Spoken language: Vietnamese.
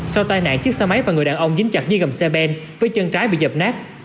sau tai nạn chiếc xe máy và người đàn ông dính chặt dưới gầm xe ben với chân trái bị dập nát